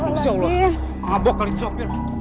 masya allah abok kali pisau pion